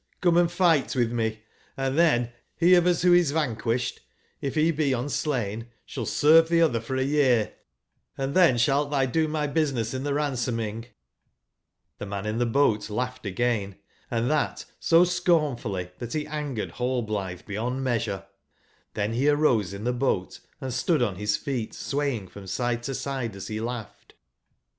Come and fight with me; & then he of us who is vanquished, if he be unslain, shall serve the other for a year, and then shalt thou H do my business in tbc ransoming^'j^TTbc man in tbc boat laugbcd again, and tbat so scornfully tbat be an gcrcdHallbli tbc beyond measure: tben be arose in tbc boat and stood on bis feet swaying from side to side as be laugbcd.